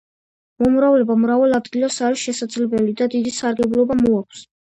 მომრავლება მრავალ ადგილას არის შესაძლებელი და დიდი სარგებლობა მოაქვს.